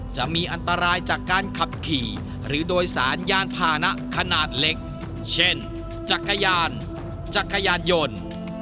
จะมีอันตรายจากการขับขี่หรือโดยสารยานพานะขนาดเล็กเช่นจักรยานจักรยานยนต์